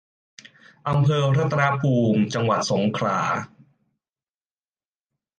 อำเภอรัตภูมิ จังหวัดสงขลา